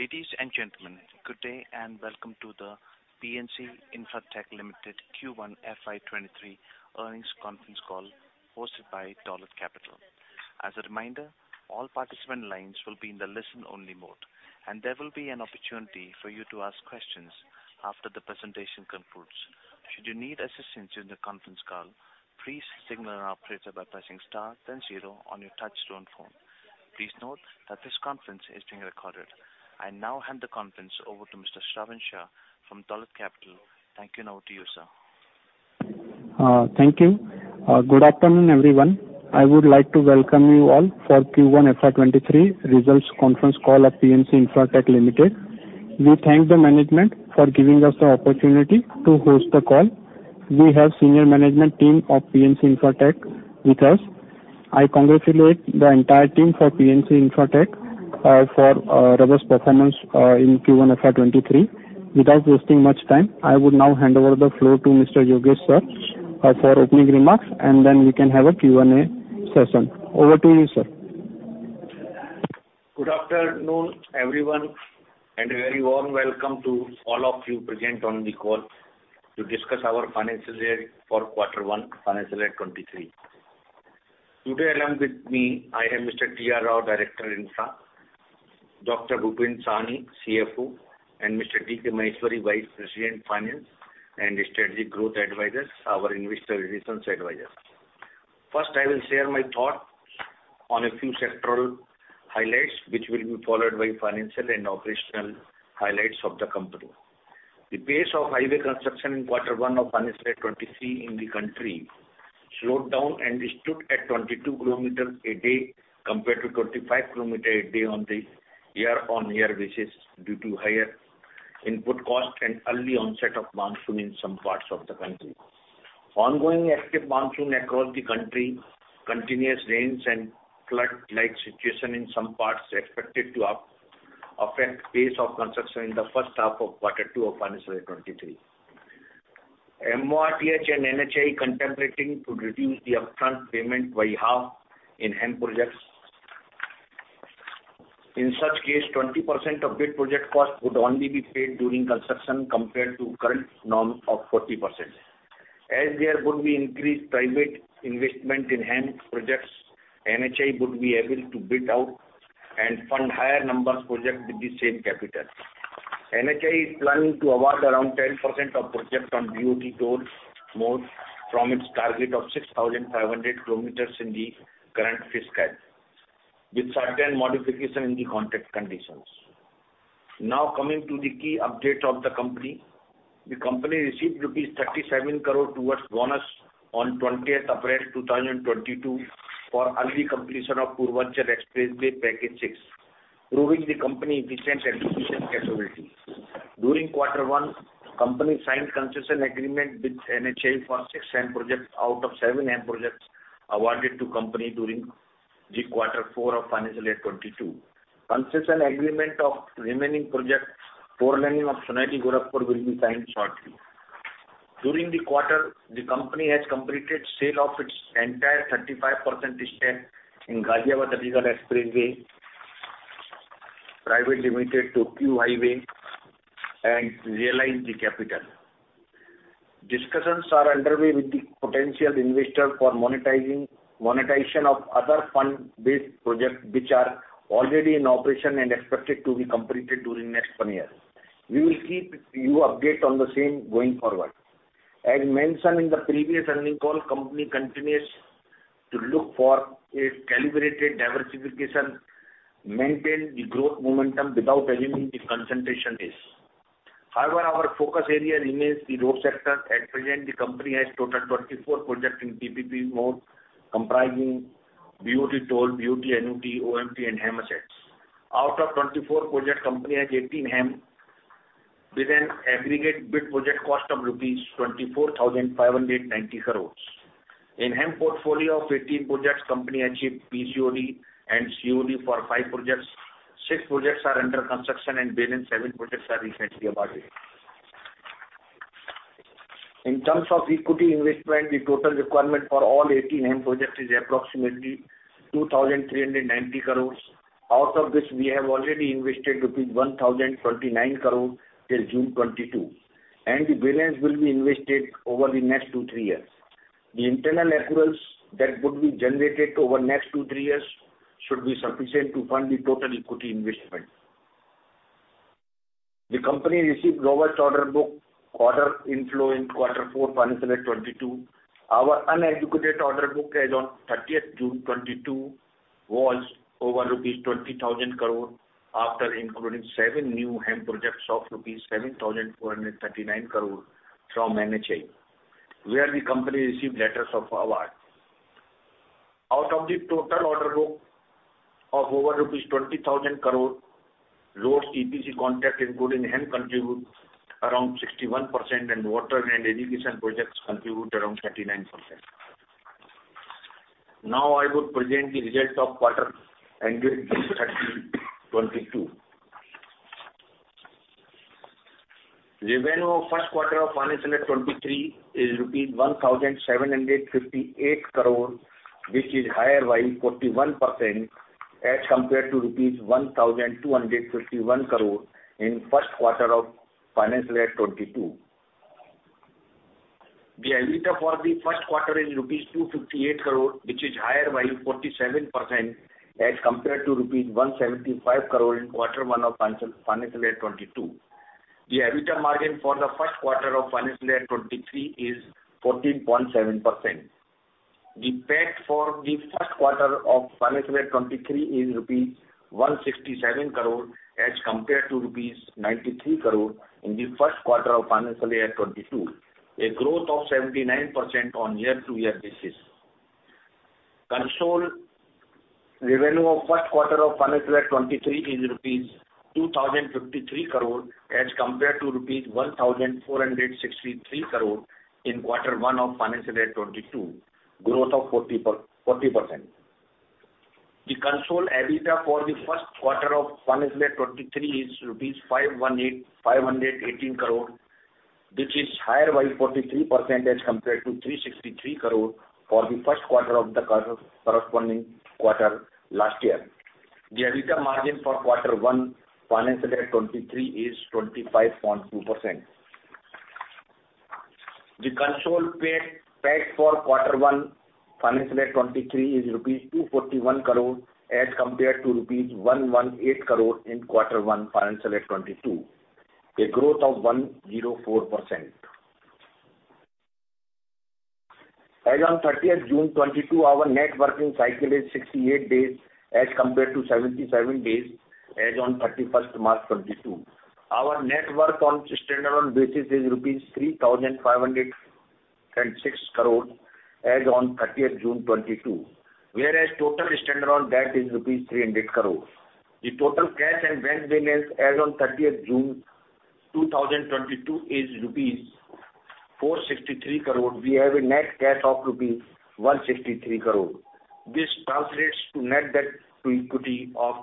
Ladies and gentlemen, good day and welcome to the PNC Infratech Limited Q1 FY 2023 Earnings Conference Call hosted by Dolat Capital. As a reminder, all participant lines will be in the listen-only mode, and there will be an opportunity for you to ask questions after the presentation concludes. Should you need assistance during the conference call, please signal an operator by pressing star then zero on your touch-tone phone. Please note that this conference is being recorded. I now hand the conference over to Mr. Shravan Shah from Dolat Capital. Thank you. Now to you, sir. Thank you. Good afternoon, everyone. I would like to welcome you all for Q1 FY 2023 results conference call of PNC Infratech Limited. We thank the management for giving us the opportunity to host the call. We have senior management team of PNC Infratech with us. I congratulate the entire team for PNC Infratech for robust performance in Q1 FY 2023. Without wasting much time, I would now hand over the floor to Mr. Yogesh, sir, for opening remarks, and then we can have a Q&A session. Over to you, sir. Good afternoon, everyone, and a very warm welcome to all of you present on the call to discuss our financial year for quarter one, financial year 2023. Today along with me, I have Mr. T.R. Rao, Director, Infra, Dr. Bhupinder Sawhney, CFO, and Mr. D.K. Maheshwari, Vice President, Finance, and Strategic Growth Advisors, our Investor Relations advisor. First, I will share my thoughts on a few sectoral highlights, which will be followed by financial and operational highlights of the company. The pace of highway construction in quarter one of financial year 2023 in the country slowed down and stood at 22 kilometers a day compared to 25 kilometers a day on the year-on-year basis due to higher input cost and early onset of monsoon in some parts of the country. Ongoing active monsoon across the country, continuous rains and flood-like situation in some parts expected to affect pace of construction in the first half of quarter two of financial year 2023. MoRTH and NHAI contemplating to reduce the upfront payment by half in HAM projects. In such case, 20% of bid project cost would only be paid during construction compared to current norm of 40%. As there would be increased private investment in HAM projects, NHAI would be able to bid out and fund higher number of projects with the same capital. NHAI is planning to award around 10% of projects on BOT-Toll mode from its target of 6,500 kilometers in the current fiscal, with certain modifications in the contract conditions. Now, coming to the key update of the company. The company received INR 37 crore towards bonus on 20th April 2022 for early completion of Purvanchal Expressway Package 6, proving the company efficient execution capability. During quarter one, company signed concession agreement with NHAI for 6 HAM projects out of 7 HAM projects awarded to company during the quarter four of financial year 2022. Concession agreement of remaining projects, four-laning of Sonauli-Gorakhpur will be signed shortly. During the quarter, the company has completed sale of its entire 35% stake in Ghaziabad-Aligarh Expressway Private Limited to Cube Highways and realized the capital. Discussions are underway with the potential investor for monetization of other fund-based projects which are already in operation and expected to be completed during next one year. We will keep you updated on the same going forward. As mentioned in the previous earnings call, the company continues to look for a calibrated diversification, maintain the growth momentum without assuming the concentration risk. However, our focus area remains the road sector. At present, the company has total 24 projects in PPP mode, comprising BOT-Toll, BOT annuity, OMT, and HAM assets. Out of 24 projects, the company has 18 HAM with an aggregate bid project cost of rupees 24,590 crores. In HAM portfolio of 18 projects, the company achieved PCOD and COD for 5 projects. Six projects are under construction, and balance seven projects are recently awarded. In terms of equity investment, the total requirement for all 18 HAM projects is approximately 2,390 crores. Out of this, we have already invested 1,029 crore till June 2022, and the balance will be invested over the next two, threeyears. The internal accruals that would be generated over next two, three years should be sufficient to fund the total equity investment. The company received robust order book and order inflow in quarter four, financial year 2022. Our unexecuted order book as on 30th June 2022 was over rupees 20,000 crore after including seven new HAM projects of rupees 7,439 crore from NHAI, where the company received letters of award. Out of the total order book of over rupees 20,000 crore, roads EPC contract including HAM contribute around 61% and water and irrigation projects contribute around 39%. Now, I would present the results of quarter ended June 30, 2022. Revenue of first quarter of financial year 2023 is rupees 1,758 crore, which is higher by 41% as compared to rupees 1,251 crore in first quarter of financial year 2022. The EBITDA for the first quarter is rupees 258 crore, which is higher by 47% as compared to rupees 175 crore in quarter one of financial year 2022. The EBITDA margin for the first quarter of financial year 2023 is 14.7%. The PAT for the first quarter of financial year 2023 is rupees 167 crore as compared to rupees 93 crore in the first quarter of financial year 2022, a growth of 79% on year-over-year basis. Consolidated revenue of first quarter of financial year 2023 is rupees 2,053 crore as compared to rupees 1,463 crore in quarter one of financial year 2022, growth of 40%. The consolidated EBITDA for the first quarter of financial year 2023 is 518 crore, which is higher by 43% as compared to 363 crore for the first quarter of the corresponding quarter last year. The EBITDA margin for quarter one financial year 2023 is 25.2%. The consolidated PAT for quarter one financial year 2023 is 241 crore rupees as compared to 118 crore rupees in quarter one financial year 2022, a growth of 104%. As on thirtieth June 2022, our net working cycle is 68 days as compared to 77 days as on 31st March 2022. Our net worth on stand-alone basis is rupees 3,506 crore as on 30th June 2022, whereas total stand-alone debt is rupees 300 crore. The total cash and bank balance as on thirtieth June 2022 is rupees 463 crore. We have a net cash of rupees 163 crore. This translates to net debt to equity of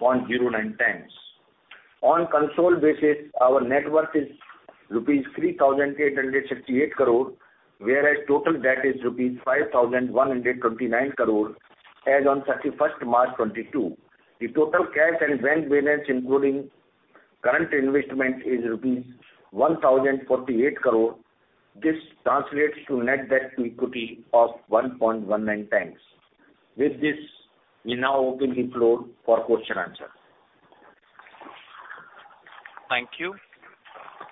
0.109x. On consolidated basis, our net worth is rupees 3,868 crore, whereas total debt is rupees 5,129 crore as on 31st March 2022. The total cash and bank balance, including current investment, is INR 1,048 crore. This translates to net debt to equity of 1.19x. With this, we now open the floor for question answer. Thank you.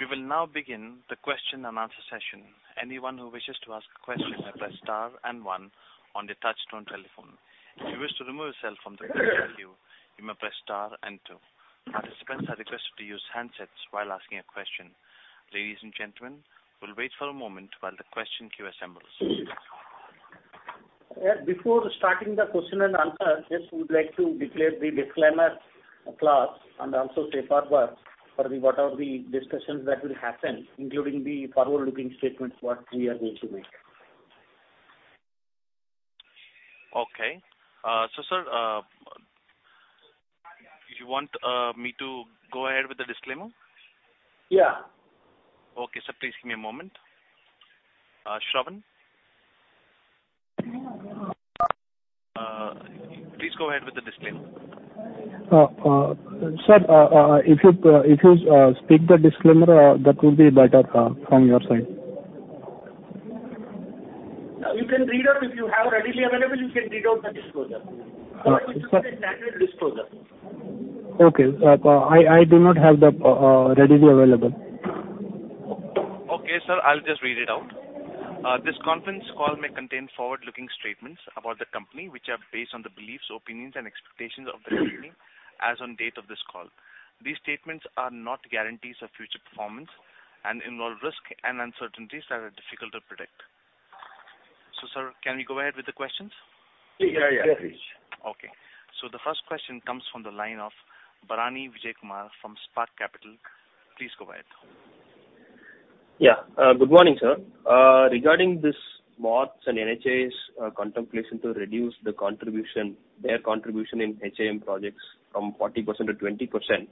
We will now begin the question and answer session. Anyone who wishes to ask a question may press star and one on their touchtone telephone. If you wish to remove yourself from the queue, you may press star and two. Participants are requested to use handsets while asking a question. Ladies and gentlemen, we'll wait for a moment while the question queue assembles. Before starting the question and answer, just would like to declare the disclaimer clause and also safe harbor for whatever the discussions that will happen, including the forward-looking statements, what we are going to make. Okay. Sir, do you want me to go ahead with the disclaimer? Yeah. Okay, sir. Please give me a moment. Shravan? Please go ahead with the disclaimer. Sir, if you speak the disclaimer, that will be better from your side. You can read out. If you have readily available, you can read out the disclosure. Uh, sir- Standard disclosure. Okay. I do not have that readily available. Okay, sir. I'll just read it out. This conference call may contain forward-looking statements about the company, which are based on the beliefs, opinions and expectations of the company as on date of this call. These statements are not guarantees of future performance and involve risk and uncertainties that are difficult to predict. Sir, can we go ahead with the questions? Yeah. Yeah, please. Okay. The first question comes from the line of Bharanidhar Vijayakumar from Spark Capital. Please go ahead. Yeah. Good morning, sir. Regarding MoRTH's and NHAI's contemplation to reduce their contribution in HAM projects from 40% to 20%,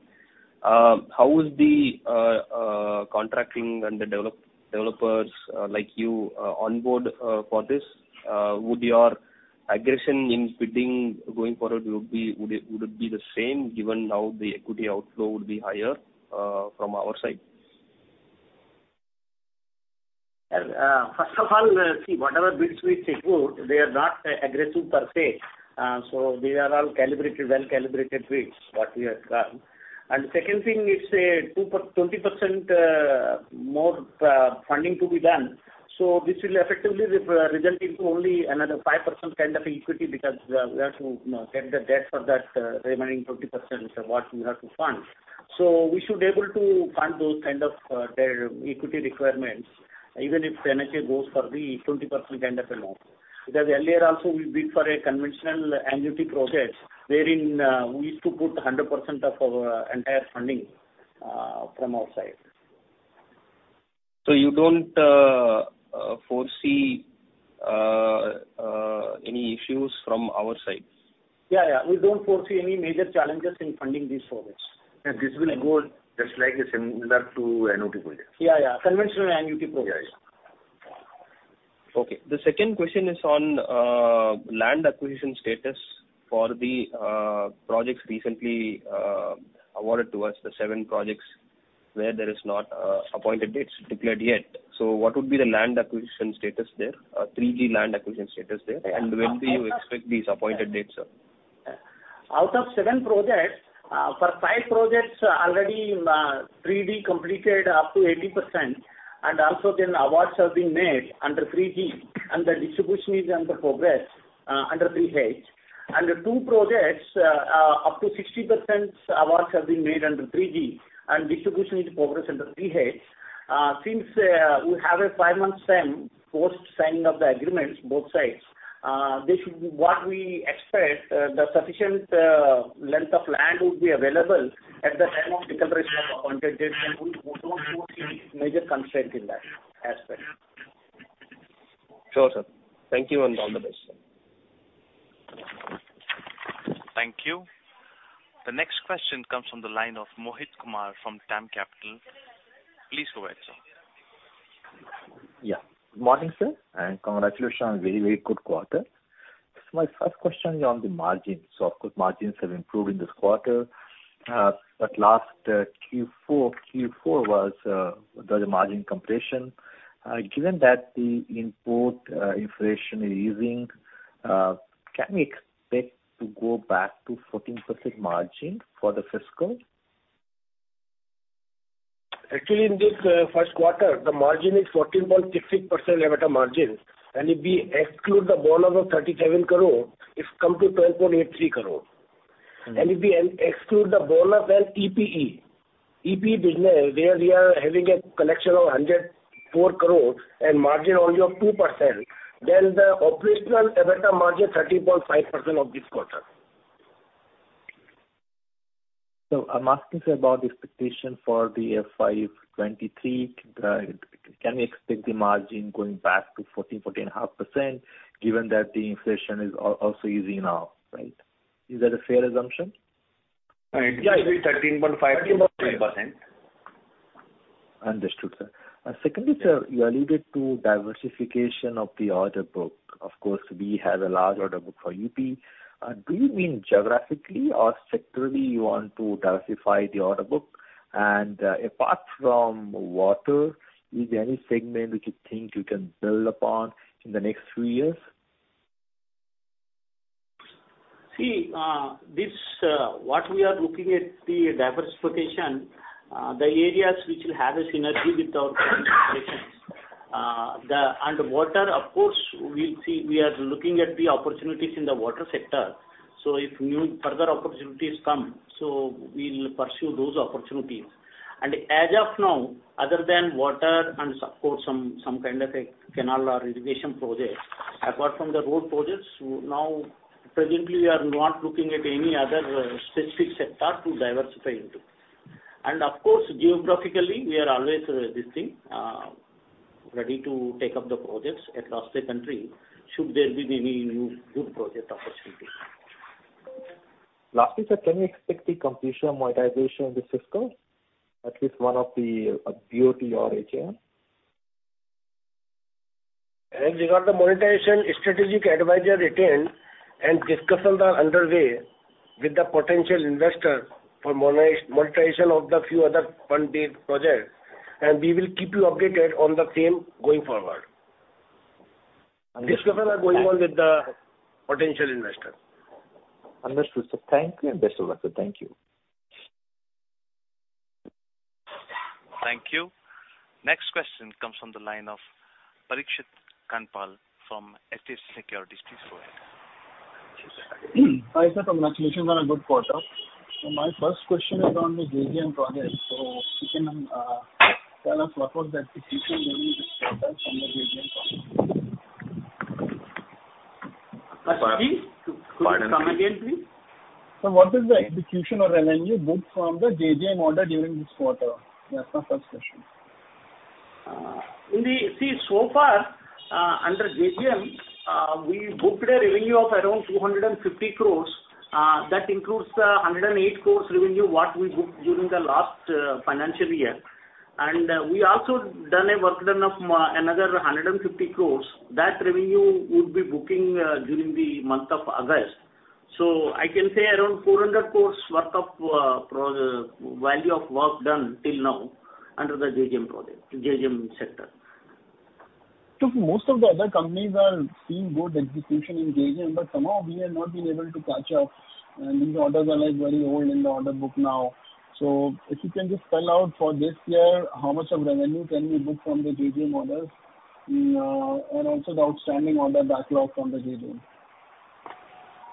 how are the contractors and developers like you on board for this? Would your aggressiveness in bidding going forward be the same given now the equity outflow would be higher from our side? First of all, see, whatever bids we take forward, they are not aggressive per se. These are all calibrated, well-calibrated bids, what we have done. Second thing, it's a 20% more funding to be done. This will effectively result into only another 5% kind of equity because we have to get the debt for that remaining 20% what we have to fund. We should able to fund those kind of their equity requirements, even if NHAI goes for the 20% kind of a model. Because earlier also we bid for a conventional annuity project, wherein we used to put a 100% of our entire funding from our side. You don't foresee Any issues from our side? Yeah, yeah. We don't foresee any major challenges in funding these projects. This will go just like similar to annuity projects. Yeah, yeah. Conventional annuity projects. Yeah, yeah. Okay. The second question is on land acquisition status for the projects recently awarded to us, the seven projects where there is not appointed dates declared yet. What would be the land acquisition status there, 3G land acquisition status there, and when do you expect these appointed dates, sir? Out of 7 projects, for 5 projects already, 3D completed up to 80%, and also then awards have been made under 3G, and the distribution is in progress under 3H. Under 2 projects, up to 60% awards have been made under 3G and distribution is in progress under 3H. Since we have a five-month term post signing of the agreements, both sides, this should be what we expect, the sufficient length of land would be available at the time of declaration of appointed date, and we don't foresee any major constraint in that aspect. Sure, sir. Thank you, and all the best. Thank you. The next question comes from the line of Mohit Kumar from DAM Capital. Please go ahead, sir. Yeah. Good morning, sir, and congratulations on a very, very good quarter. My first question is on the margins. Of course, margins have improved in this quarter. But last Q4, there was margin compression. Given that the input inflation is easing, can we expect to go back to 14% margin for the fiscal? Actually, in this first quarter, the margin is 14.60% EBITDA margins, and if we exclude the bonus of 37 crore, it's come to 12.83 crore. If we exclude the bonus and EPE business, where we are having a collection of 104 crore and margin only of 2%, then the operational EBITDA margin 13.5% of this quarter. I'm asking, sir, about the expectation for the FY 2023. Can we expect the margin going back to 14%-14.5% given that the inflation is also easing now, right? Is that a fair assumption? It can be 13.5%-14%. Understood, sir. Secondly, sir, you alluded to diversification of the order book. Of course, we have a large order book for UP. Do you mean geographically or sectorally you want to diversify the order book? Apart from water, is there any segment which you think you can build upon in the next few years? What we are looking at the diversification, the areas which will have a synergy with our current operations. Water, of course, we'll see. We are looking at the opportunities in the water sector. If new further opportunities come, so we'll pursue those opportunities. As of now, other than water and support some kind of a canal or irrigation project, apart from the road projects, now, presently we are not looking at any other specific sector to diversify into. Of course, geographically, we are always ready to take up the projects across the country should there be any new good project opportunities. Lastly, sir, can we expect the completion of monetization this fiscal? At least one of the BOT or HAM? As regards the monetization, strategic advisor retained and discussions are underway with the potential investor for monetization of the few other pending projects, and we will keep you updated on the same going forward. Understood. Discussions are going on with the potential investor. Understood, sir. Thank you and best of luck, sir. Thank you. Thank you. Next question comes from the line of Parikshit Kandpal from HDFC Securities. Please go ahead. Hi, sir. Congratulations on a good quarter. My first question is on the JJM project. If you can tell us what was the execution revenue this quarter from the JJM project? Please? Could you come again, please? Sir, what is the execution or revenue booked from the JJM order during this quarter? That's my first question. So far, under JJM, we booked a revenue of around 250 crores. That includes the 108 crores revenue what we booked during the last financial year. We also done a work done of another 150 crores. That revenue would be booking during the month of August. I can say around 400 crores value of work done till now under the JJM project, JJM sector. Most of the other companies are seeing good execution in JJM, but somehow we have not been able to catch up, and these orders are, like, very old in the order book now. If you can just spell out for this year, how much of revenue can we book from the JJM orders, and also the outstanding order backlog from the JJM?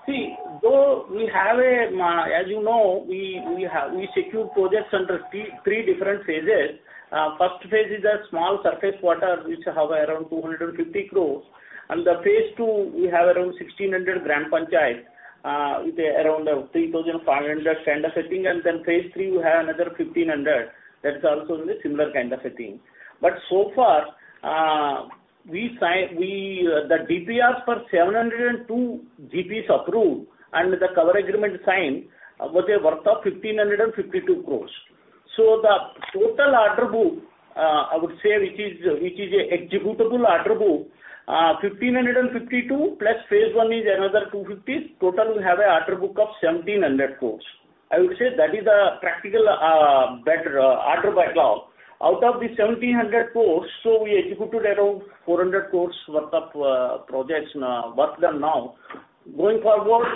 See, though we have, as you know, we secure projects under three different phases. First phase is a small surface water, which has around 250 crores. Phase II, we have around 1,600 gram panchayat. Around 3,500 kind of a thing. Phase III, we have another 1,500 that's also in the similar kind of a thing. So far, we sign the DPR for 702 GPs approved and the loan agreement signed was worth 1,552 crores. The total order book, I would say which is an executable order book, 1,552 plus phase I is another 250. Total, we have an order book of 1,700 crores. I would say that is a practical, better order backlog. Out of the 1,700 crores, so we executed around 400 crores worth of projects worth done now. Going forward,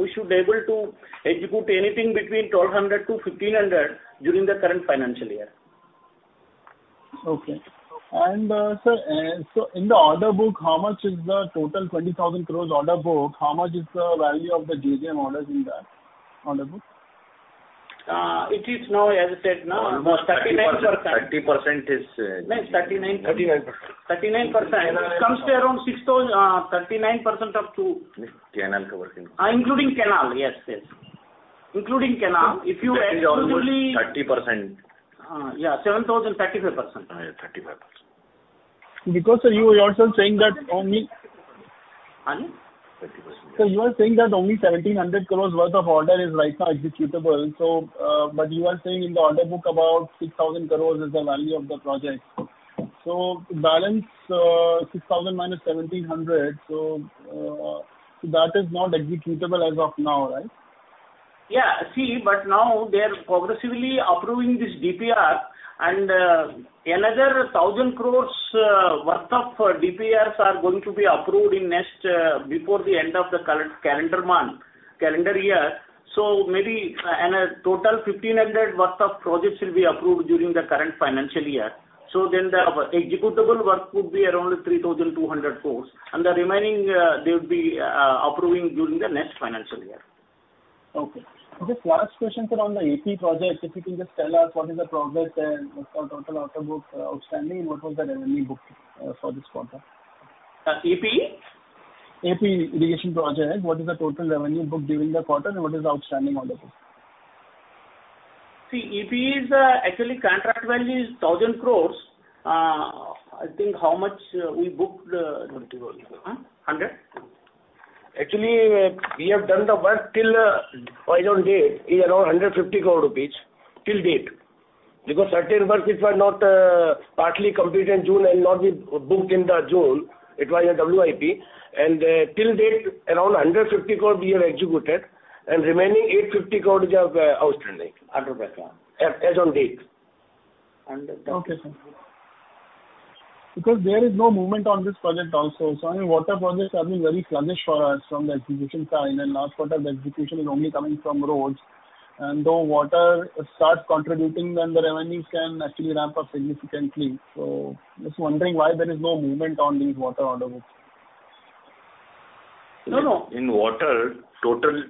we should be able to execute anything between 1,200 crores-1,500 crores during the current financial year. Okay. Sir, in the order book, how much is the total 20,000 crore order book? How much is the value of the JJM orders in that order book? It is now as I said now almost 39%. Thirty, 30% is, uh... No, 39%. 39%. 39%. Comes to around 6,000, 39% of two. Canal cover. Including canal. Yes. Including canal. If you exclusively That is almost 30%. Uh, yeah, 7,000 package 35%. Yeah, 35%. Because, sir, you are also saying that only. Pardon? 30%. Sir, you are saying that only 1,700 crore worth of order is right now executable. But you are saying in the order book about 6,000 crore is the value of the project. Balance, 6,000 minus 1,700, that is not executable as of now, right? Yeah. See, now they are progressively approving this DPR and, another 1,000 crore worth of DPRs are going to be approved in next, before the end of the current calendar month, calendar year. Maybe, a total 1,500 crore worth of projects will be approved during the current financial year. The executable work could be around 3,200 crore. The remaining, they would be approving during the next financial year. Okay. Just last question, sir, on the AP project. If you can just tell us what is the progress and what's our total order book outstanding and what was the revenue booked for this quarter? AP? AP irrigation project. What is the total revenue booked during the quarter and what is the outstanding order book? See, AP is actually contract value is 1,000 crore. I think how much we booked. Hundred. 100? Actually, we have done the work till as on date is around 150 crore rupees till date. Because certain works which were not partly complete in June and not been booked in June, it was in WIP. Till date, around 150 crore we have executed and remaining 850 crore is outstanding. Order book, yeah. As on date. Hundred and- Okay, sir. Because there is no movement on this project also. I mean, water projects are being very sluggish for us from the execution side. In the last quarter, the execution is only coming from roads. Though water starts contributing, then the revenues can actually ramp up significantly. Just wondering why there is no movement on these water order books. No, no. In water total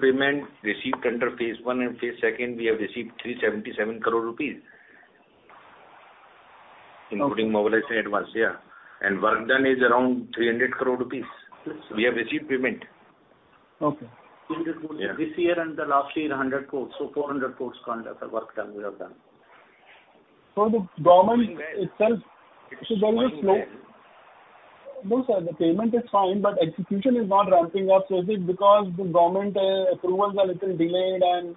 payment received under phase I and phase II, we have received 377 crore rupees including mobilization advance. Yeah. Work done is around 300 crore rupees. Yes, sir. We have received payment. Okay. This year and the last year, 100 crores. 400 crores work done we have done. The government itself is always slow. No, sir. The payment is fine, but execution is not ramping up. Is it because the government approvals are little delayed and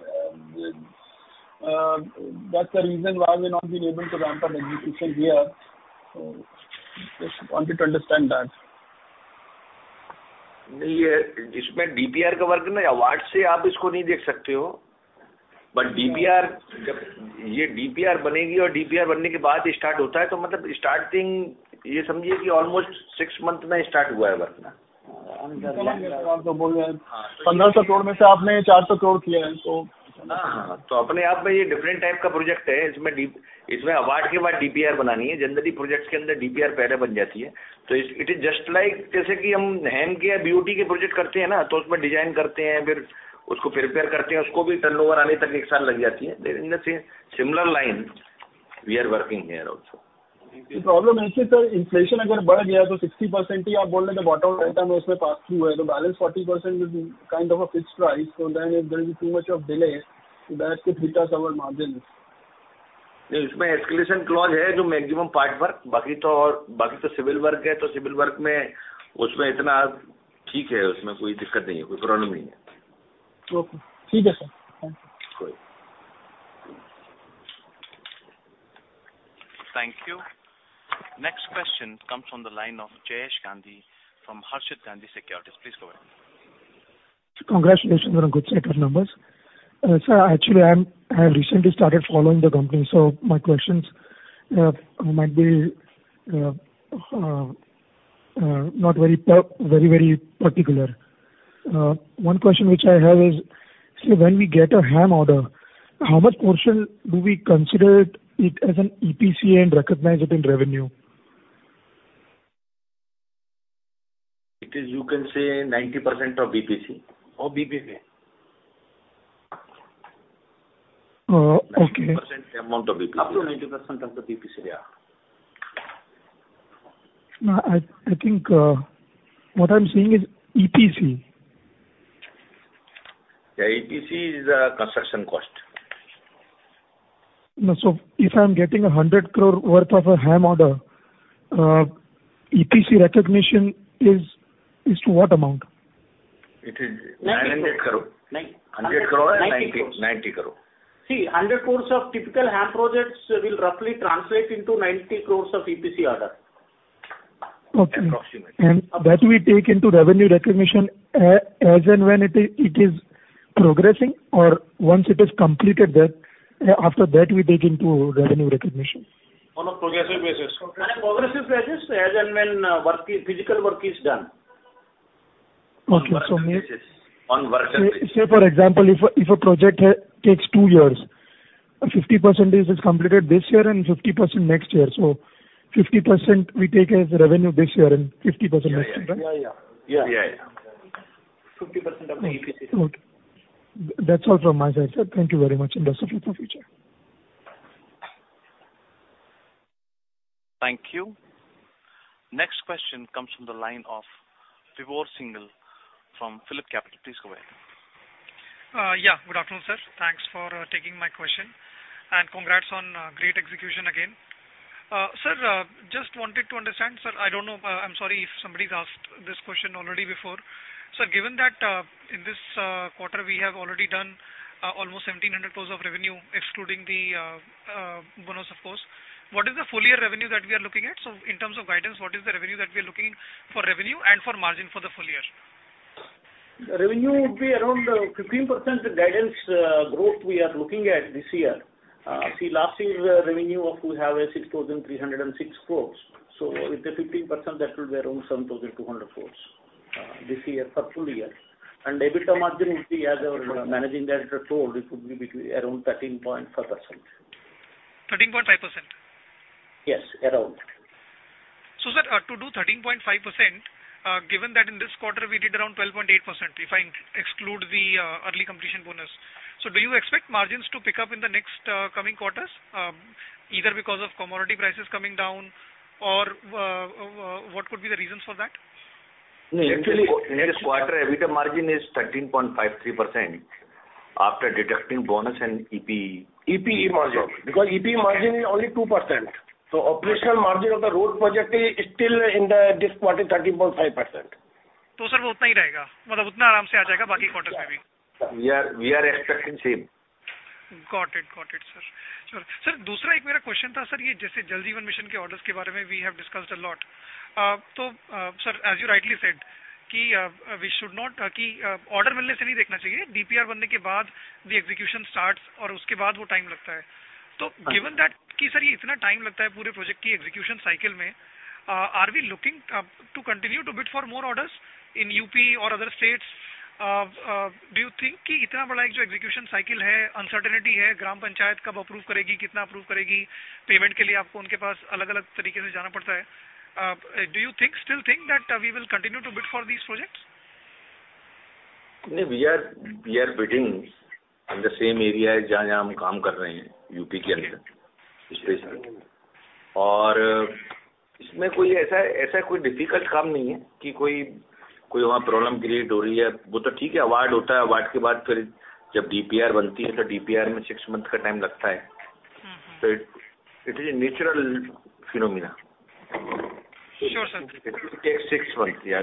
that's the reason why we've not been able to ramp up execution here? Just wanted to understand that. DPR award. The problem is, sir, inflation, 60% bottom item pass through. Balance 40% is kind of a fixed price. If there is too much of delay, that could hit us our margin. Okay. Sir. Thank you. Thank you. Next question comes from the line of Jayesh Gandhi from Harshad Gandhi Securities. Please go ahead. Congratulations on a good set of numbers. Sir, actually, I have recently started following the company, so my questions might be not very, very particular. One question which I have is, when we get a HAM order, how much portion do we consider it as an EPC and recognize it in revenue? It is, you can say, 90% of EPC. Of EPC? Oh, okay. 90% amount of EPC. Up to 90% of the EPC, yeah. No, I think what I'm saying is EPC. Yeah, EPC is a construction cost. No. If I'm getting 100 crore worth of a HAM order, EPC recognition is to what amount? It is 900 crore. Nine- 100 crore or 90 crore? 90 crore. 90 crore. See, 100 crores of typical HAM projects will roughly translate into 90 crores of EPC order. Okay. Approximately. That we take into revenue recognition as and when it is progressing or once it is completed, then, after that we take into revenue recognition. On a progressive basis. On a progressive basis, as and when, physical work is done. Okay. On work basis. Say for example, if a project takes two years, 50% is completed this year and 50% next year, so 50% we take as revenue this year and 50% next year? Yeah, yeah. Yeah, yeah. Yeah. 50% of the EPC. Okay. That's all from my side, sir. Thank you very much and best of luck for future. Thank you. Next question comes from the line of Vibhor Singhal from PhillipCapital. Please go ahead. Yeah. Good afternoon, sir. Thanks for taking my question, and congrats on great execution again. Sir, just wanted to understand, sir. I don't know, I'm sorry if somebody's asked this question already before. Sir, given that in this quarter we have already done almost 1,700 crore of revenue, excluding the bonus of course, what is the full year revenue that we are looking at? In terms of guidance, what is the revenue that we are looking for and for margin for the full year? Revenue would be around 15% guidance growth we are looking at this year. See, last year's revenue of we have 6,306 crores. So with the 15%, that will be around 7,200 crores this year for full year. EBITDA margin will be, as our managing director told, it would be between around 13.5%. 13.5%? Yes, around. Sir, to do 13.5%, given that in this quarter we did around 12.8%, if I exclude the early completion bonus. Do you expect margins to pick up in the next coming quarters, either because of commodity prices coming down or what could be the reasons for that? No, actually. In this quarter, EBITDA margin is 13.53% after deducting bonus and EPE. EPE margin. Because EPE margin is only 2%. Operational margin of the road project is still in the, this quarter, 13.5%. Sir, We are expecting same. Got it, sir. Sure. Sir, We are bidding in the same area. Do you still think that we will continue to bid for these projects? No, we are bidding in the same area. Sure sir. It takes six months.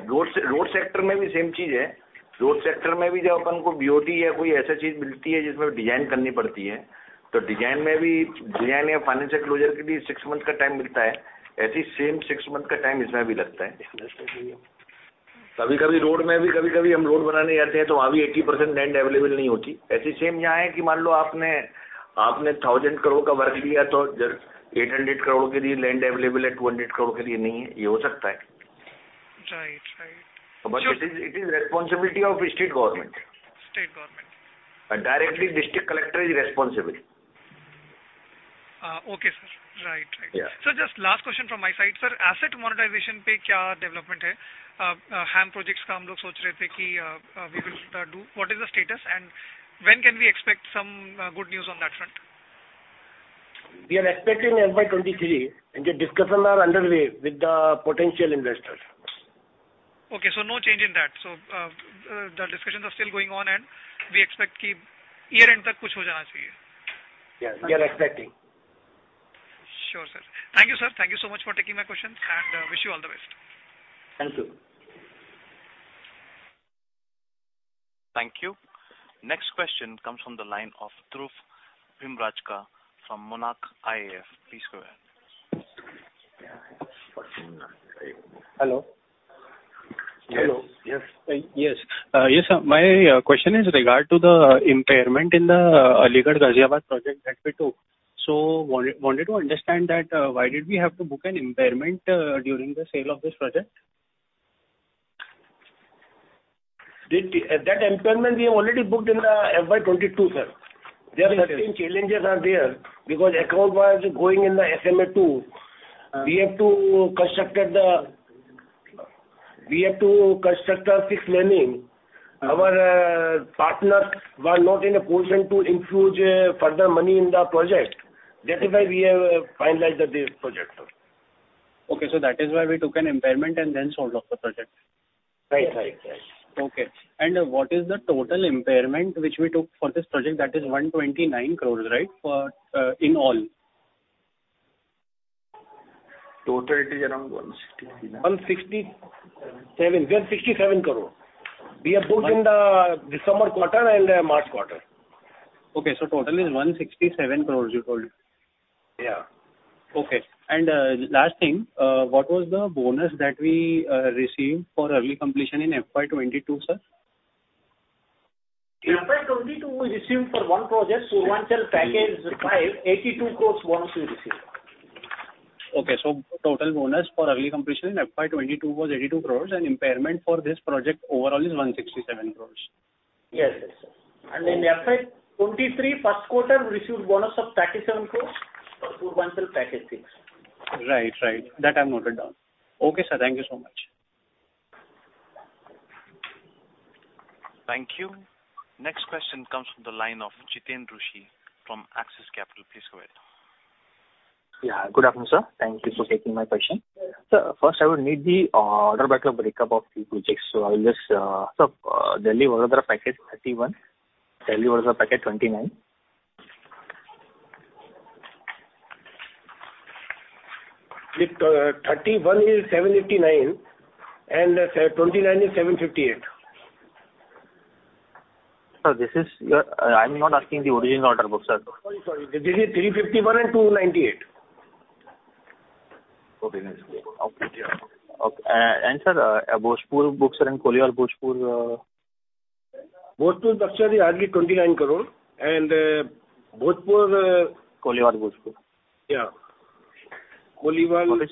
Road sector, same thing. Road sector maybe when we get BOT or something like that, where we have to do design. In design also, for design or financial closure, we get six months time. Similarly, six months time is required in this also. Sometimes on road also, sometimes when we go to build road, even there 80% land is not available. Similarly, here also suppose you have taken a work of INR 1,000 crores, so land is available for INR 800 crores, not for INR 200 crores. This can happen. Right. Right. Sure. It is responsibility of state government. State government. Directly district collector is responsible. Okay, sir. Right. Yeah. Sir, just last question from my side. Sir, asset monetization, what is the development? HAM projects, we were thinking that, we will do. What is the status and when can we expect some good news on that front? We are expecting FY 2023 and the discussions are underway with the potential investors. Okay. No change in that. The discussions are still going on and we expect year end. Yes. We are expecting. Sure, sir. Thank you, sir. Thank you so much for taking my questions and wish you all the best. Thank you. Thank you. Next question comes from the line of Dhruv Bhimrajka from Monarch AIF. Please go ahead. Hello? Hello. Yes. Yes. Yes, sir. My question is regarding the impairment in the Ghaziabad-Aligarh Expressway project, Expressway Package 2. I wanted to understand why we had to book an impairment during the sale of this project. That impairment we have already booked in the FY 2022, sir. Okay. There are certain challenges there because account was going in the SMA 2. Uh. We have to construct a six lane in. Our partners were not in a position to infuse further money in the project. That is why we have finalized this project. Okay. That is why we took an impairment and then sold off the project. Right. Okay. What is the total impairment which we took for this project that is 129 crores, right? For, in all. Total, it is around 167. 160 Seven. Yeah, 167 crore. We have booked in the December quarter and the March quarter. Total is 167 crore, you told. Yeah. Okay. Last thing, what was the bonus that we received for early completion in FY 2022, sir? In FY 2022, we received for one project, Purvanchal Expressway Package 5, INR 82 crores bonus. Total bonus for early completion in FY 2022 was 82 crores, and impairment for this project overall is 167 crores. Yes, yes. Okay. In FY 2023, first quarter, we received bonus of 37 crores for Purvanchal Expressway Package 6. Right. That I've noted down. Okay, sir. Thank you so much. Thank you. Next question comes from the line of Jiten Rushi from Axis Capital. Please go ahead. Yeah. Good afternoon, sir. Thank you for taking my question. Sir, first I would need the order book breakup of the projects. I will just Sir, Delhi Vadodara Package 31, Delhi Vadodara Package 29. The, uh, 31 is 789, and 79 is 758. Sir, I'm not asking the original order book, sir. Sorry. This is 351 and 298. Okay, sir, Bhojpur-Buxar and Koilwar-Bhojpur. Bhojpur-Buxar is hardly INR 29 crore and Bhojpur. Koilwar-Bhojpur. Yeah. Koilwar- Koli...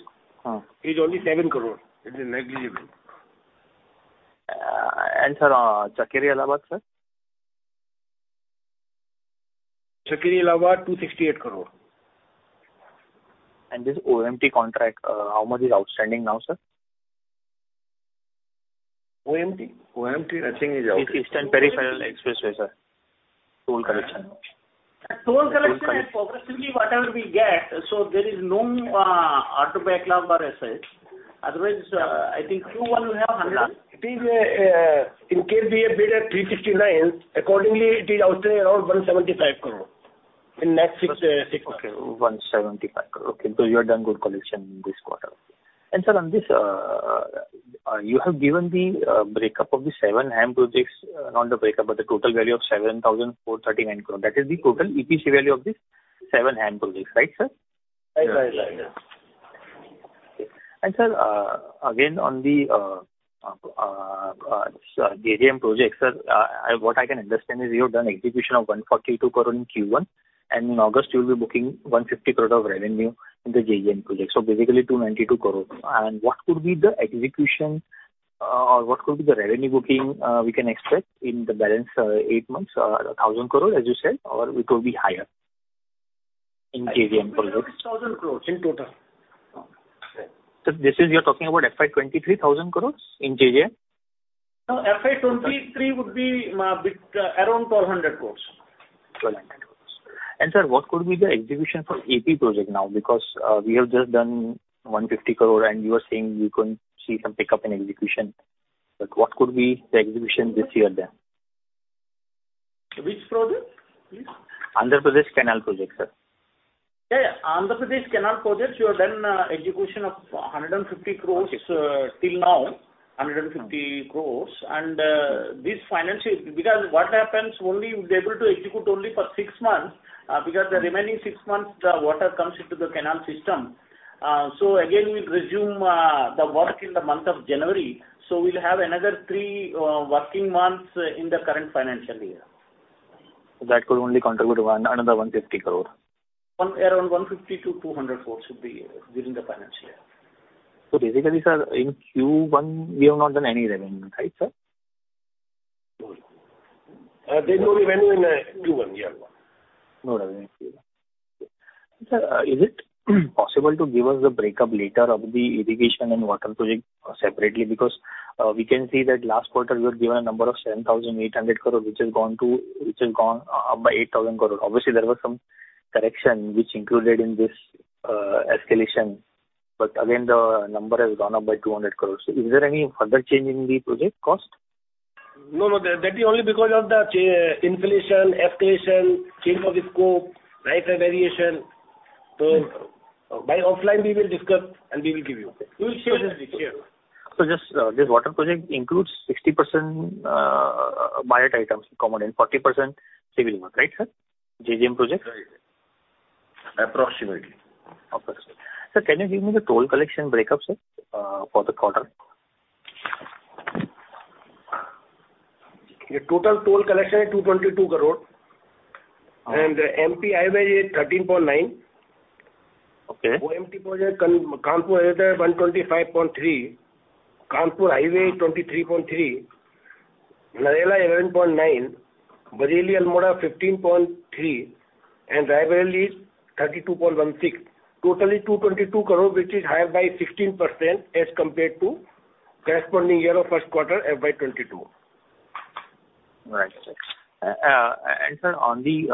Uh. Is only 7 crore. It is negligible. Sir, Chakeri-Allahabad, sir? Chakeri-Allahabad, INR 268 crore. This OMT contract, how much is outstanding now, sir? OMT? OMT nothing is outstanding. It's Eastern Peripheral Expressway, sir. Toll collection. Toll collection is progressively whatever we get, so there is no auto backlog per se. Otherwise, I think Q1 we have INR 100. It is in case we have bid at 369, accordingly it is outstanding around 175 crore in next six months. Okay. 175 crore. Okay. You have done good collection this quarter. Sir, on this, you have given the breakup of the seven HAM projects, not the breakup, but the total value of 7,439 crore. That is the total EPC value of the seven HAM projects, right, sir? Right. Yes. Sir, again, on the JJM project, sir, I, what I can understand is you have done execution of 142 crore in Q1, and in August, you will be booking 150 crore of revenue in the JJM project, so basically 292 crore. What could be the execution, or what could be the revenue booking we can expect in the balance eight months? 1,000 crore, as you said, or it will be higher in JJM project? It is 1,000 crores in total. Sir, you're talking about FY 2023, 1,000 crore in JJM? No, FY 2023 would be with around 1,200 crores. 1,200 crore. Sir, what could be the execution for AP project now? Because we have just done 150 crore, and you are saying you couldn't see some pickup in execution. What could be the execution this year then? Which project? Please. Andhra Pradesh canal project, sir. Yeah, yeah. Andhra Pradesh canal project, we have done execution of 150 crore till now. Okay. 150 crores. Because what happens, only we're able to execute only for six months, because the remaining six months, the water comes into the canal system. We'll resume the work in the month of January. We'll have another three working months in the current financial year. That could only contribute 1 crore, another 150 crore. Around 150 crores-200 crores should be within the financial year. Basically, sir, in Q1, we have not done any revenue, right, sir? No. There's no revenue in Q1, yeah. No revenue in Q1. Sir, is it possible to give us the breakup later of the irrigation and water project separately? Because, we can see that last quarter you had given a number of 7,800 crore, which has gone up by 8,000 crore. Obviously, there was some correction which included in this escalation, but again, the number has gone up by 200 crore. Is there any further change in the project cost? No. That is only because of the inflation, escalation, change of the scope, price and variation. Offline we will discuss and we will give you. We'll share with you. This water project includes 60% buyout items component, 40% civil work. Right, sir? JJM project. Right. Approximately. Okay. Sir, can you give me the toll collection breakdown, sir, for the quarter? The total toll collection is 222 crore. Okay. MP Highway is 13.9 crore. Okay. OMT project, Kanpur highway is INR 125.3 crore. Kanpur highway is 23.3 crore. Narela 11.9 crore. Bareilly-Almora 15.3 crore and Raebareli 32.16 crore. Total 222 crore, which is higher by 16% as compared to corresponding year of first quarter FY 2022. Right. Sir, on the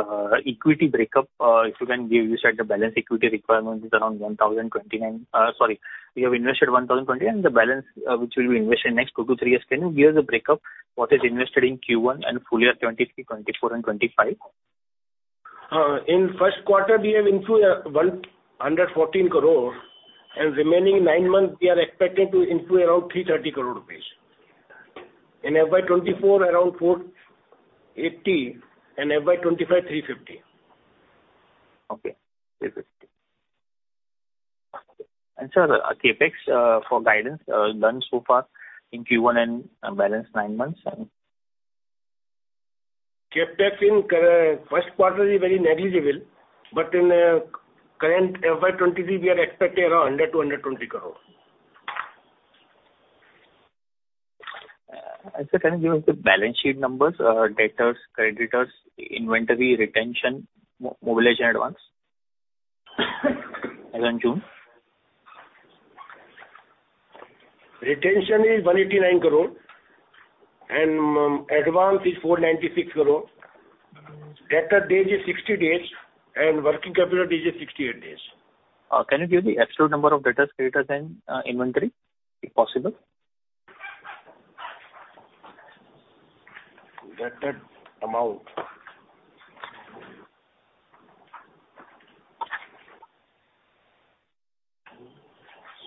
equity breakup, if you can give, you said the balance equity requirement is around 1,029. You have invested 1,020 and the balance, which will be invested next two to three years. Can you give the breakup what is invested in Q1 and full year 2023, 2024 and 2025? In first quarter we have invested 114 crore and remaining nine months we are expecting to invest around 330 crore rupees. In FY 2024, around 480 crore and FY 2025, 350 crore. Okay. INR 350 crore. Sir, CapEx for guidance done so far in Q1 and balance nine months and CapEx in first quarter is very negligible, but in current FY 2023 we are expecting around INR 100 crore-INR 120 crore. Sir, can you give us the balance sheet numbers, debtors, creditors, inventory, retention, mobilization advance as on June? Retention is 189 crore and advance is 496 crore. Debtor days is 60 days and working capital days is 68 days. Can you give the absolute number of debtors, creditors and inventory, if possible? Debtors amount.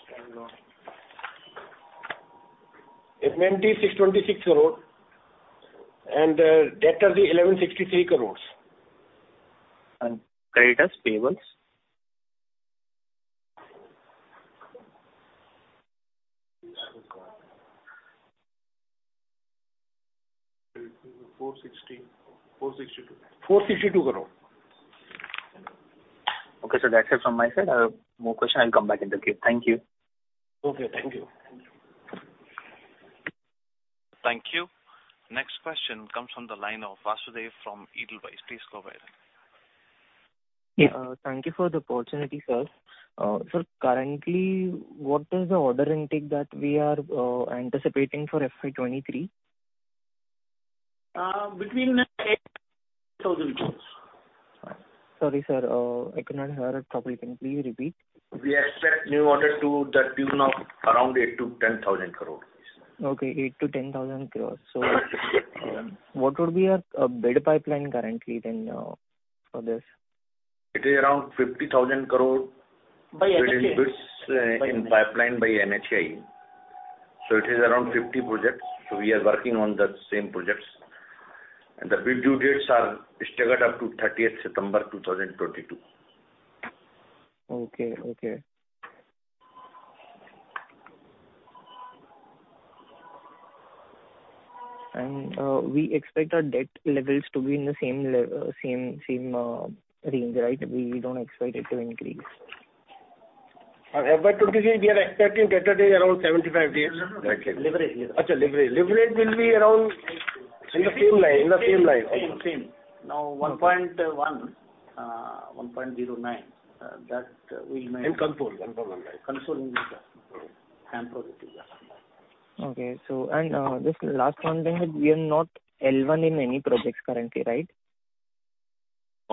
Standalone. Inventory INR 626 crore and debtors is INR 1,163 crores. Creditors, payments? INR 462 crore. Okay, sir. That's it from my side. I have more question, I'll come back in the queue. Thank you. Okay, thank you. Thank you. Thank you. Next question comes from the line of Vasudev from Edelweiss. Please go ahead. Thank you for the opportunity, sir. Sir, currently, what is the order intake that we are anticipating for FY 2023? Between 8,000 crore. Sorry, sir. I could not hear it properly. Can you please repeat? We expect new orders to the tune of around 8,000 crore-10,000 crore. Okay. 8,000 crore-10,000 crore. What would be our bid pipeline currently then for this? It is around 50,000 crore. By NHAI. Bids in pipeline by NHAI. It is around 50 projects. We are working on the same projects. The bid due dates are staggered up to 30th September 2022. We expect our debt levels to be in the same range, right? We don't expect it to increase. FY 2023 we are expecting debtor days around 75 days. Leverage. Leverage will be around in the same line. Same. Now 1.1.09. That we might- In control. Control. Control in the HAM projects. Just last one thing, we are not L1 in any projects currently, right?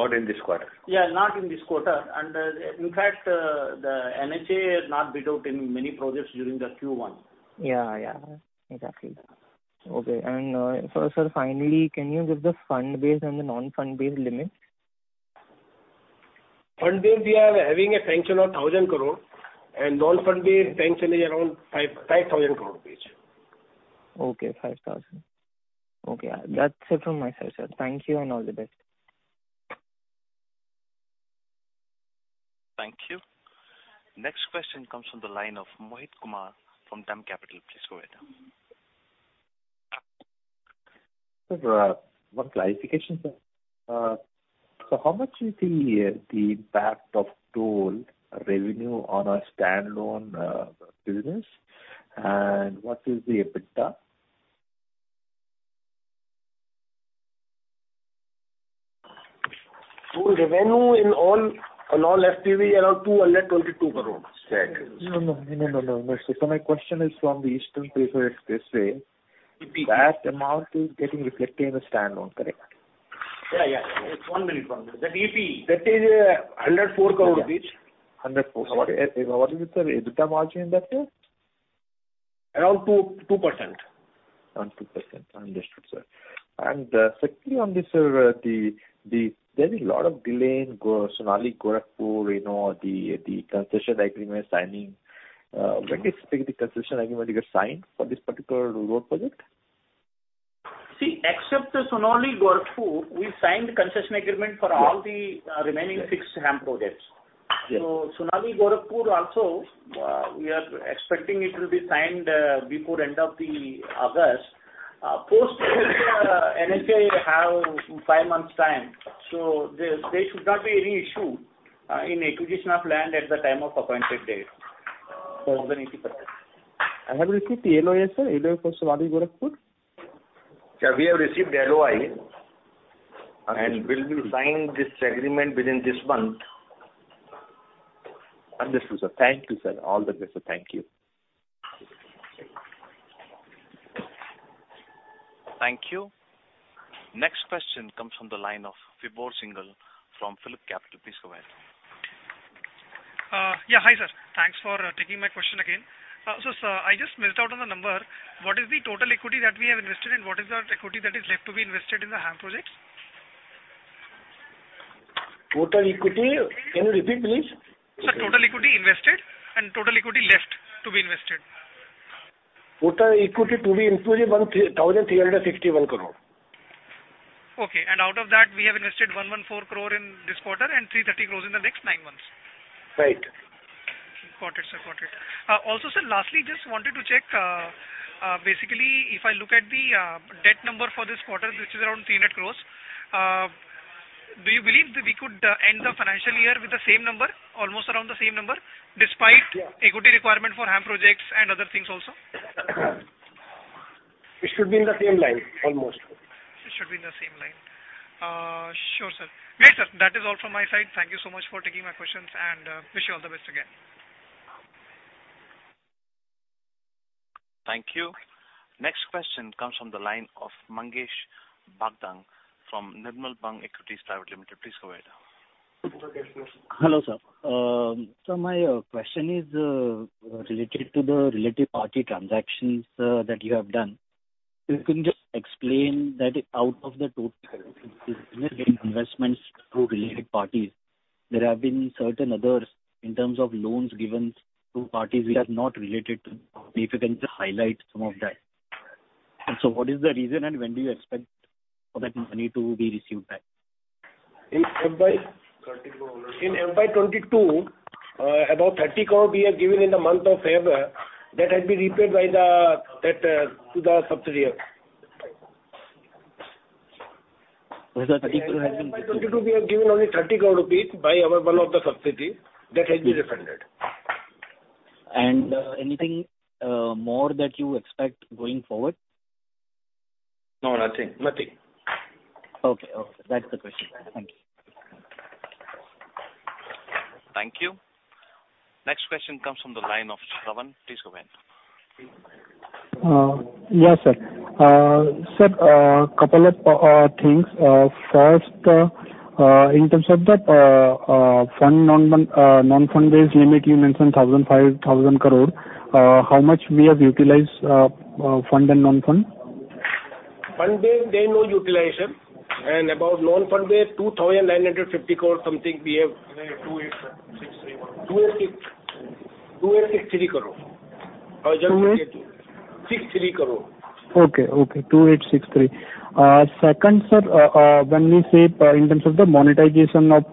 Not in this quarter. Yeah, not in this quarter. In fact, the NHAI has not bid out in many projects during the Q1. Yeah, yeah. Exactly. Okay. Sir, finally, can you give the fund-based and the non-fund-based limits? Fund-based, we are having a sanction of 1,000 crore and non-fund-based sanction is around 55,000 crore rupees. Okay, 5,000 crore. Okay. That's it from my side, sir. Thank you and all the best. Thank you. Next question comes from the line of Mohit Kumar from DAM Capital. Please go ahead. Sir, one clarification, sir. How much is the impact of toll revenue on our standalone business? What is the EBITDA? Toll revenue in all FPE around INR 222 crores. No. My question is from the Eastern Peripheral Expressway. EPE. That amount is getting reflected in the standalone, correct? Yeah. One minute. The EPE. That is, 104 crore rupees. 104 crore. What is the EBITDA margin in that, sir? Around 2.2%. Around 2%. Understood, sir. Secondly on this, sir, there is a lot of delay in Sonauli-Gorakhpur, you know, the concession agreement signing. When do you expect the concession agreement to get signed for this particular road project? See, except the Sonauli-Gorakhpur, we signed concession agreement for all the remaining six HAM projects. Yes. Sonauli-Gorakhpur also, we are expecting it will be signed before end of the August. Post which, NHAI have five months time, so there should not be any issue in acquisition of land at the time of appointed day. I have received the LOA, sir. LOA for Sonauli-Gorakhpur. Yeah, we have received the LOI. Okay. We'll be signing this agreement within this month. Understood, sir. Thank you, sir. All the best, sir. Thank you. Thank you. Next question comes from the line of Vibhor Singhal from PhillipCapital. Please go ahead. Yeah. Hi, sir. Thanks for taking my question again. So sir, I just missed out on the number. What is the total equity that we have invested, and what is our equity that is left to be invested in the HAM projects? Total equity. Can you repeat, please? Sir, total equity invested and total equity left to be invested? Total equity to be invested, INR 1,361 crore. Okay. Out of that, we have invested 114 crore in this quarter and 330 crores in the next nine months. Right. Got it, sir. Got it. Also, sir, lastly, just wanted to check, basically, if I look at the debt number for this quarter, which is around 300 crores, do you believe that we could end the financial year with the same number, almost around the same number? Yeah. despite equity requirement for HAM projects and other things also? It should be in the same line, almost. It should be in the same line. Sure, sir. Great, sir. That is all from my side. Thank you so much for taking my questions, and wish you all the best again. Thank you. Next question comes from the line of Mangesh Bhadang from Nirmal Bang Securities Private Limited. Please go ahead. Hello, sir. My question is related to the related party transactions that you have done. If you can just explain that out of the total investments to related parties, there have been certain others in terms of loans given to parties which are not related to the party. If you can just highlight some of that. What is the reason, and when do you expect all that money to be received back? In FY. INR 30 crore. In FY 2022, about 30 crore we have given in the month of February. That has been repaid by the subsidiary. The 30 crore has been. In FY 2022, we have given only 30 crore rupees by our one of the subsidy that has been refunded. Anything more that you expect going forward? No, nothing. Nothing. Okay. Okay. That's the question. Thank you. Thank you. Next question comes from the line of Shravan Shah. Please go ahead. Yes, sir. Sir, couple of things. First, in terms of the fund-based and non-fund-based limit, you mentioned 1,500 crore. How much we have utilized fund and non-fund? Fund-based, there is no utilization. About non-fund-based, 2,950 crore something we have. No, 28631. INR 286, INR 2,863 crore. Just repeat. How much? INR 63 crore. Okay. 2863 crore. Second, sir, when we say in terms of the monetization of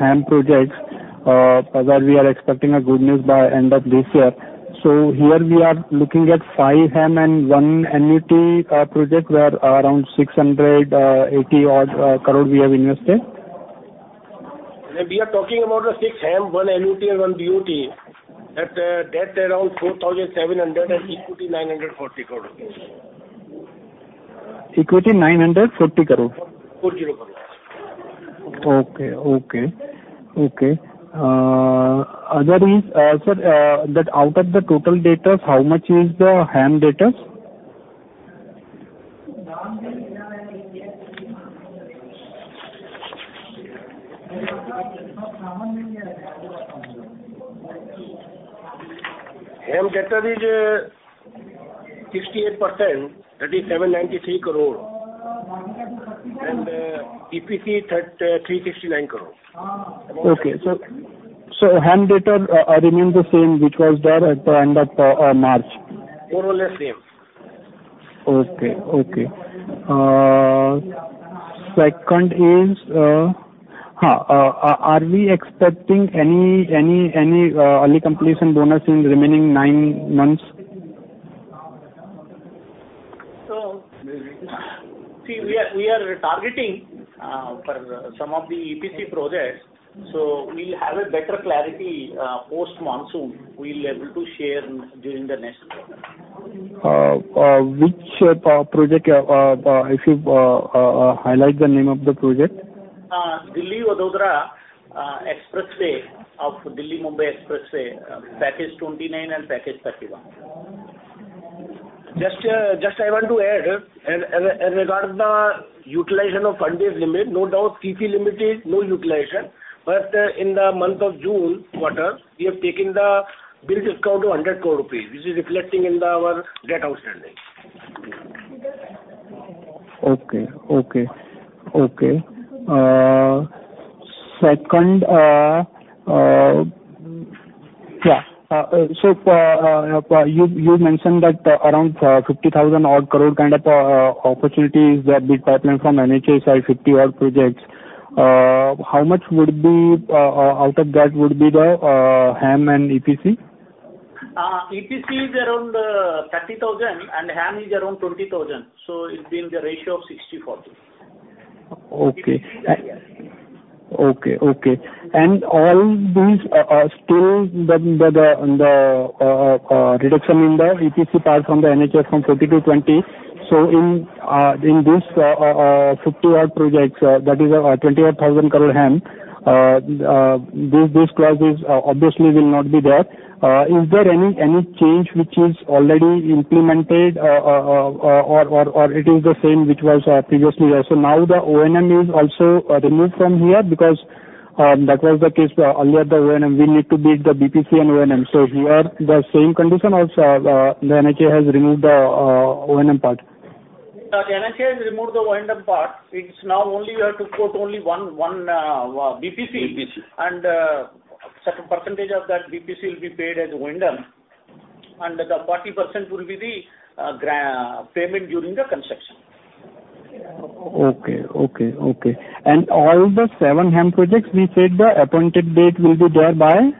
HAM projects, sir, we are expecting a good news by end of this year. Here we are looking at 5 HAM and 1 Annuity project, where around 680-odd crore we have invested. We are talking about the 6 HAM, one Annuity and one BOT. That debt around 4,700 crore and equity 940 crore rupees. 940 crore equity. 40 crore. Okay. Other is, sir, that out of the total debtors, how much is the HAM debtors? HAM debtors is 68%, that is INR 793 crore. EPC 369 crore. Okay. HAM debtors remains the same, which was there at the end of March. More or less same. Okay. Second is, are we expecting any early completion bonus in remaining nine months? See, we are targeting for some of the EPC projects. We'll have a better clarity post-monsoon. We'll able to share during the next quarter. Which project, if you highlight the name of the project? Delhi-Vadodara Expressway of Delhi-Mumbai Expressway, package 29 and package 31. Just, I want to add, in regard the utilization of fund-based limit, no doubt TP limit is no utilization, but in the month of June quarter, we have taken the bill discount of 100 crore rupees, which is reflecting in our debt outstanding. Okay. Second, you mentioned that around 50,000 crore kind of opportunity is in the pipeline from NHAI, 50-odd projects. How much of that would be the HAM and EPC? EPC is around 30,000 and HAM is around 20,000, so it's been the ratio of 60-40. Okay. All these are still the reduction in the EPC part from the NHAI from 50 to 20. In this 50-odd projects, that is 20,000-odd crore HAM, these clauses obviously will not be there. Is there any change which is already implemented, or it is the same which was previously also? Now the O&M is also removed from here because that was the case earlier the O&M, we need to bid the BPC and O&M. Here the same condition also, the NHAI has removed the O&M part. The NHAI has removed the O&M part. It's now only you have to put only one BPC. BPC. Certain percentage of that BPC will be paid as O&M, and the 40% will be the payment during the construction. Okay. All the seven HAM projects, we said the appointed date will be there by?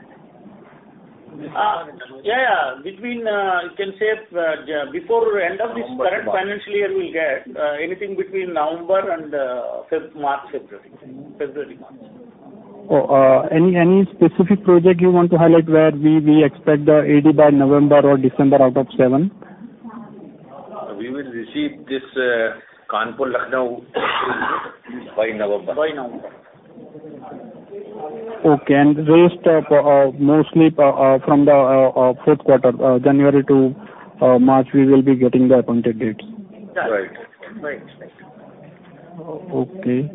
Yeah. Between, you can say, before end of this. November. Current financial year we'll get anything between November and February. February month. Any specific project you want to highlight where we expect the COD by November or December out of seven? We will receive this, Kanpur-Lucknow by November. By November. Okay. Rest of mostly from the fourth quarter, January to March, we will be getting the appointed dates. That's right. Right. Right. Okay.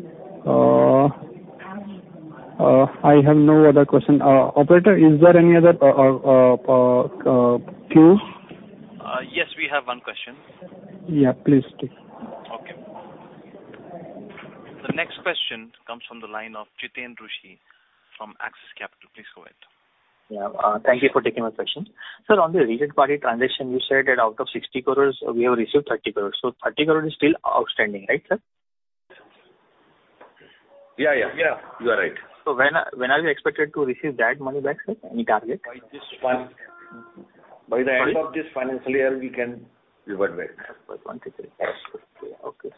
I have no other question. Operator, is there any other queue? Yes, we have one question. Yeah, please take. Okay. The next question comes from the line of Jiten Rushi from Axis Capital. Please go ahead. Yeah. Thank you for taking my question. Sir, on the recent related party transaction, you said that out of 60 crore, we have received 30 crore. 30 crore is still outstanding, right, sir? Yeah, yeah. Yeah. You are right. When are we expected to receive that money back, sir? Any target? By this fin- Mm-hmm. By the end of this financial year, we can revert back. Revert back. Okay.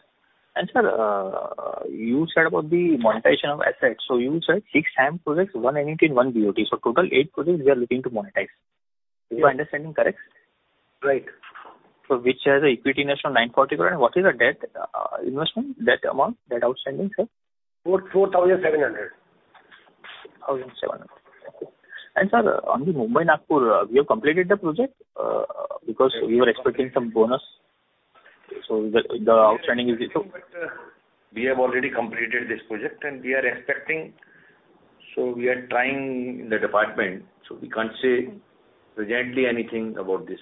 Sir, you said about the monetization of assets. You said 6 HAM projects, one OMT and one BOT. Total eight projects we are looking to monetize. Yeah. Is my understanding correct? Right. Which has a equity investment 940 crore, and what is the debt investment, debt amount, debt outstanding, sir? Four, 4,700 crore. 4,700 crore. Okay. Sir, on the Mumbai-Nagpur, we have completed the project, because we were expecting some bonus. So the outstanding is it two? We have already completed this project, and we are expecting, so we are trying in the department, so we can't say presently anything about this.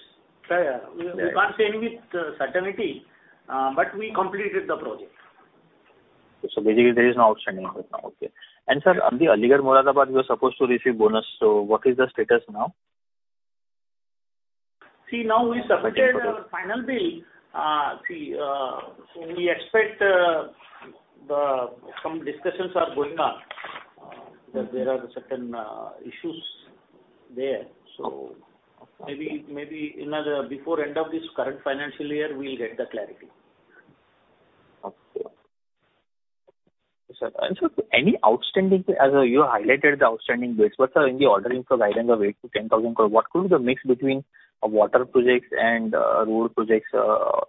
Yeah, yeah. We can't say anything with certainty, but we completed the project. Basically there is no outstanding right now. Okay. Sir, on the Aligarh-Muzaffarnagar you were supposed to receive bonus. What is the status now? Now we submitted our final bill, so we expect some discussions are going on. That there are certain issues there. Maybe in another before end of this current financial year, we'll get the clarity. Sir, any outstanding as you highlighted the outstanding base. Sir, in the order inflow guidance of 8,000-10,000 crore, what could be the mix between water projects and road projects?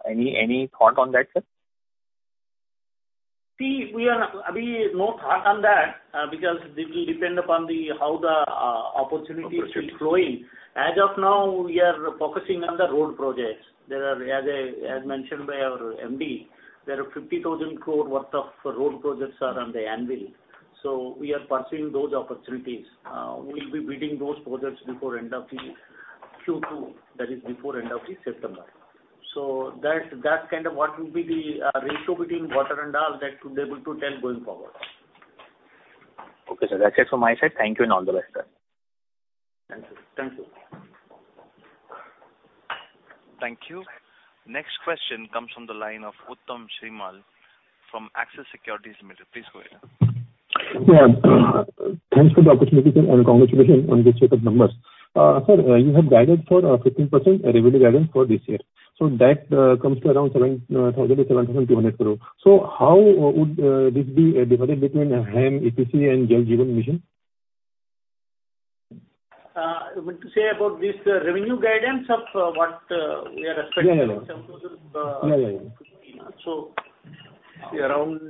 Any thought on that, sir? See, we have no thought on that because this will depend upon how the opportunities will be flowing. As of now, we are focusing on the road projects. There are, as mentioned by our MD, 50,000 crore worth of road projects are on the anvil. We are pursuing those opportunities. We'll be bidding those projects before end of the Q2, that is, before end of the September. That's kind of what will be the ratio between water and all that we'll be able to tell going forward. Okay, sir. That's it from my side. Thank you and all the best, sir. Thank you. Thank you. Thank you. Next question comes from the line of Uttam Kumar Srimal from Axis Securities Limited. Please go ahead. Yeah. Thanks for the opportunity and congratulations on this set of numbers. Sir, you have guided for 15% revenue guidance for this year. That comes to around 7,000 crore-7,200 crore. How would this be divided between HAM, EPC and Jal Jeevan Mission? You mean to say about this revenue guidance of what we are expecting. Yeah, yeah. INR 7,000 crore. Yeah, yeah. So- Around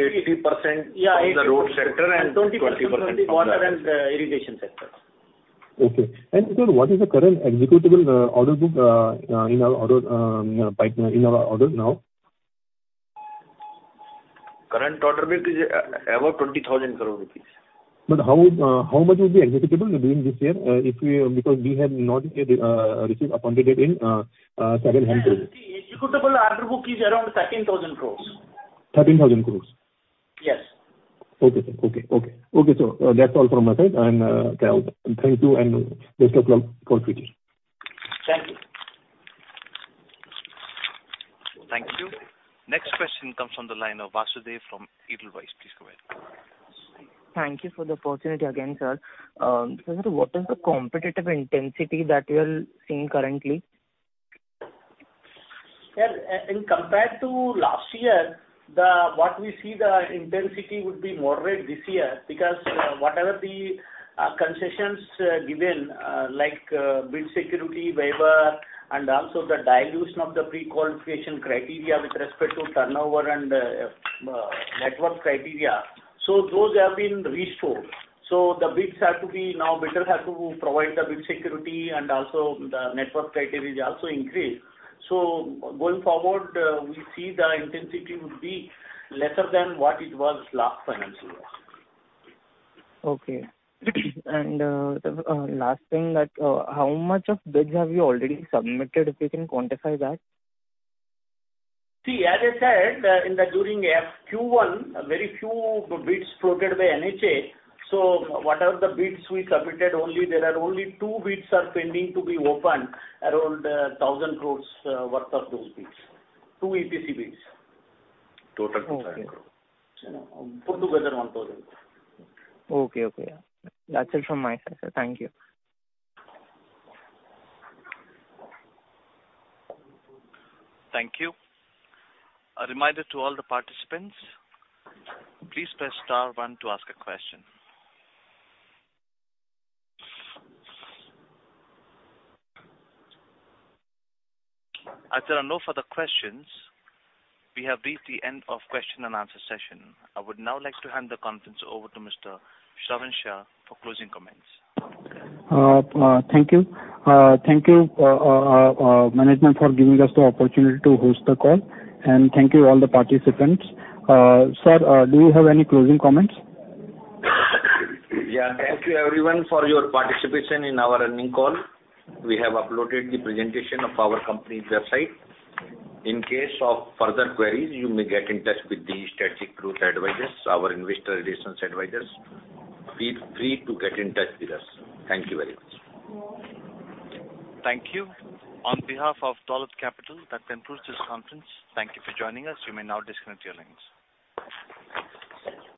80%- Yeah, 80%. On the road sector and 20% from the 20% from the water and irrigation sectors. Sir, what is the current executable order book in our order pipeline now? Current order book is about 20,000 crore rupees. How much will be executable during this year, if we are, because we have not yet received appointment in several HAM projects. The executable order book is around INR 13,000 crore. INR 13,000 crore? Yes. Okay, sir. Okay. That's all from my side and, yeah. Thank you and best of luck for future. Thank you. Thank you. Next question comes from the line of Vasudev from Edelweiss. Thank you for the opportunity again, sir. What is the competitive intensity that you are seeing currently? Sir, in comparison to last year, what we see the intensity would be moderate this year because whatever the concessions given, like, bid security waiver and also the dilution of the prequalification criteria with respect to turnover and net worth criteria, those have been restored. The bidders have to now provide the bid security and also the net worth criteria is also increased. Going forward, we see the intensity would be lesser than what it was last financial year. Okay. The last thing that how much of bids have you already submitted, if you can quantify that? See, as I said, during FQ1, very few bids floated by NHAI. Whatever the bids we submitted only, there are only two bids pending to be opened around 1,000 crore worth of those bids. Two EPC bids. Total 2,000 crore. You know, put together 1,000 crore. Okay, okay. That's it from my side, sir. Thank you. Thank you. A reminder to all the participants, please press star one to ask a question. As there are no further questions, we have reached the end of question and answer session. I would now like to hand the conference over to Mr. Shravan Shah for closing comments. Thank you. Thank you, management, for giving us the opportunity to host the call and thank you all the participants. Sir, do you have any closing comments? Yeah, thank you everyone for your participation in our earnings call. We have uploaded the presentation to our company's website. In case of further queries, you may get in touch with the ICICI Group advisors, our investor relations advisors. Feel free to get in touch with us. Thank you very much. Thank you. On behalf of Dolat Capital, that concludes this conference. Thank you for joining us. You may now disconnect your lines.